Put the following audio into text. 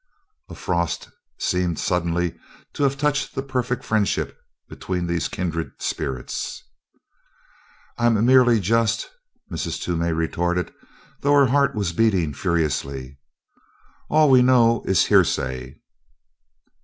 A frost seemed suddenly to have touched the perfect friendship between these kindred spirits. "I'm merely just," Mrs. Toomey retorted, though her heart was beating furiously. "All we know is hearsay."